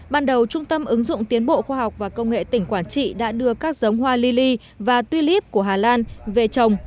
ban đầu trung tâm ứng dụng tiến bộ khoa học và công nghệ tỉnh quảng trị đã đưa các giống hoa lili và tuy líp của hà lan về trồng